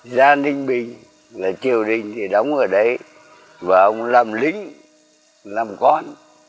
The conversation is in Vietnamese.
gia ninh bình là triều đình thì đóng ở đấy và ông làm lính làm con